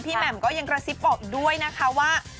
แหม่มก็ยังกระซิบบอกอีกด้วยนะคะว่า